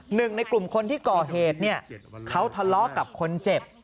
หนึ่งในกลุ่มคนที่ก่อเหตุเนี่ยเขาทะเลาะกับคนเจ็บ